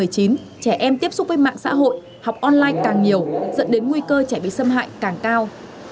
trẻ em tiếp xúc với mạng xã hội học online càng nhiều dẫn đến nguy cơ trẻ bị xâm hại càng cao